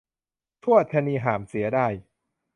ชวดชะนีห่ามเสียได้